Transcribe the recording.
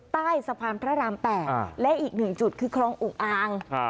ใต้สะพานพระราม๘และอีก๑จุดคือคลองอุกอาง